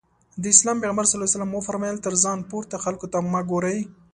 د اسلام پيغمبر ص وفرمايل تر ځان پورته خلکو ته مه ګورئ.